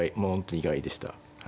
意外でした。